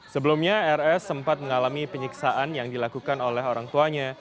sebelumnya rs sempat mengalami penyiksaan yang dilakukan oleh orang tuanya